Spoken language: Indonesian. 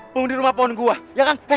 pengundi rumah pohon gua ya kan